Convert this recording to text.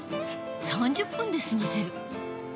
３０分で済ませる。